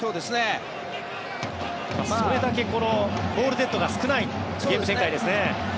それだけボールデッドが少ない展開ですね。